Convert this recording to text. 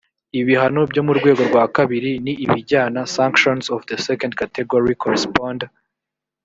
ibihano byo mu rwego rwa kabiri ni ibijyana sanctions of the second category correspond